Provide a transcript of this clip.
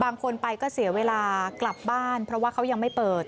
บางคนไปก็เสียเวลากลับบ้านเพราะว่าเขายังไม่เปิด